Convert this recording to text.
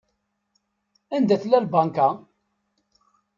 Anda tella tbanka?